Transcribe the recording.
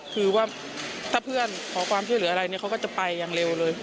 คือว่าถ้าเพื่อนขอความช่วยเหลืออะไรเนี่ยเขาก็จะไปอย่างเร็วเลย